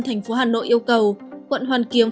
tp hà nội yêu cầu quận hoàn kiếm